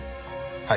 はい。